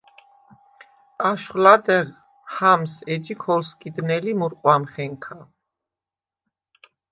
აშხვ ლადეღ ჰამს ეჯი ქოლსგიდნელი მურყვამხენქა.